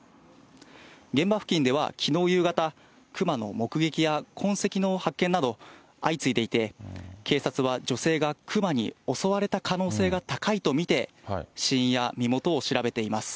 現場付近ではきのう夕方、熊の目撃や痕跡の発見など、相次いでいて、警察は女性が熊に襲われた可能性が高いと見て、死因や身元を調べています。